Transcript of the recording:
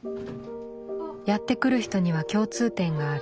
やって来る人には共通点がある。